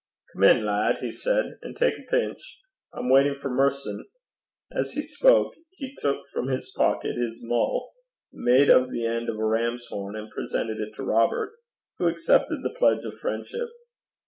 'Come in, lad,' he said, 'an' tak a pinch. I'm waitin' for Merson.' As he spoke he took from his pocket his mull, made of the end of a ram's horn, and presented it to Robert, who accepted the pledge of friendship.